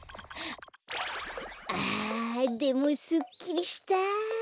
あでもすっきりした。